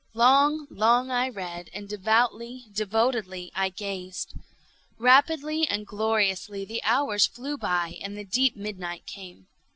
Long, long I read—and devoutly, devotedly I gazed. Rapidly and gloriously the hours flew by and the deep midnight came.